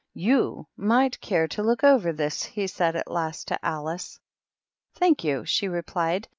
" You might care to look over this," he said, at last, to Alice. "Thank you," she replied.